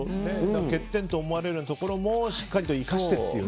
欠点と思われるところもしっかりと生かしてという。